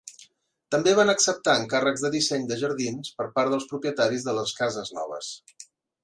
També van acceptar encàrrecs de disseny de jardins per part dels propietaris de les cases noves.